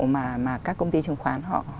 mà các công ty chứng khoán họ